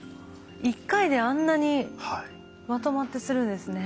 １回であんなにまとまってするんですね。